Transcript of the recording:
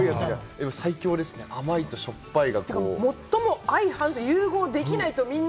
でも最強ですね、甘いとしょっぱいが。